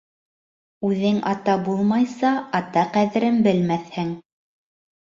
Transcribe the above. Үҙең ата булмайса, ата ҡәҙерен белмәҫһең.